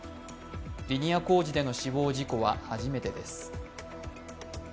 リニア工事での死亡事故は初めてです。